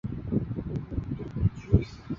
各道观举行早晚课的时间安排不尽相同。